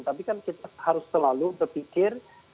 tapi kan kita harus selalu berpikir